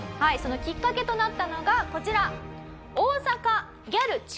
そのきっかけとなったのがこちら。